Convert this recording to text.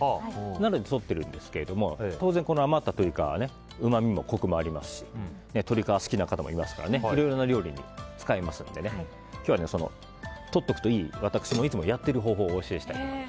なので、とってるんですけど当然、余った鶏皮はうまみもコクもありますし鶏皮が好きな方もいますからいろいろな料理に使えますので今日は取っておくといい私もいつもやっている方法をお教えしたいと思います。